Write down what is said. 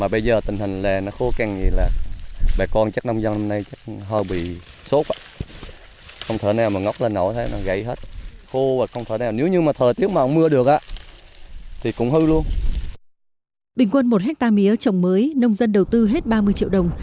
bình quân một hectare mía trồng mới nông dân đầu tư hết ba mươi triệu đồng